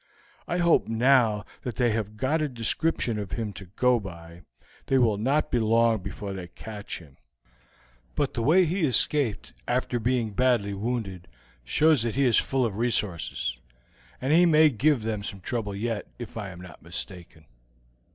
I hope now that they have got a description of him to go by, they will not be long before they catch him; but the way he escaped after being badly wounded shows that he is full of resources, and he may give them some trouble yet, if I am not mistaken.